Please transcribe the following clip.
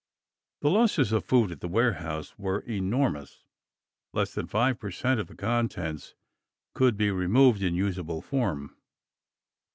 The losses of food at the warehouse were enormous. Less than 5 percent of the contents could be removed in usable form.